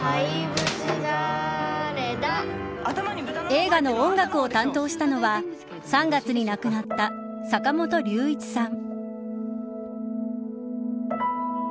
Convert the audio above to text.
映画の音楽を担当したのは３月に亡くなった坂本龍一さん。